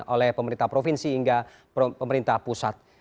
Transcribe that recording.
oleh pemerintah provinsi hingga pemerintah pusat